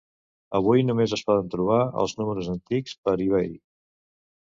Avui només es poden trobar els números antics per eBay.